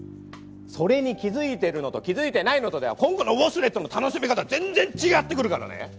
それに気づいてるのと気づいてないのとでは今後のウォシュレットの楽しみ方全然違ってくるからね！